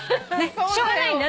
しょうがないんだね。